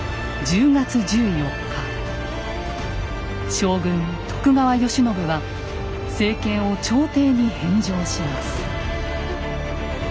将軍・徳川慶喜は政権を朝廷に返上します。